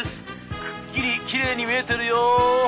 くっきりきれいに見えてるよ！」。